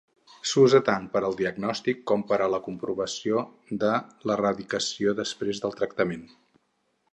S'usa tant per al diagnòstic com per a la comprovació de l'erradicació després del tractament.